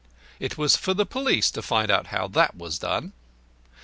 It was for the police to find how that was done.